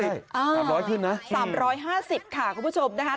๓๕๐บาทขึ้นนะ๓๕๐บาทค่ะคุณผู้ชมนะคะ